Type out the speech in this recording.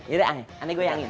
ini aneh aneh goyangin